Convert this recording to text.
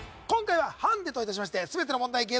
今回はハンデといたしまして全ての問題